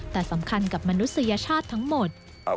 แต่สำคัญกับมนุษยชาติทั้งหมด